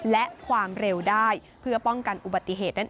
และความเร็วได้เพื่อป้องกันอุบัติเหตุนั่นเอง